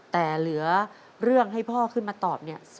แต่เหลือเรื่องให้พ่อขึ้นมาตอบเนี่ย